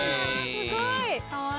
すごい。